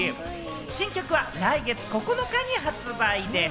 新曲は来月９日に発売です。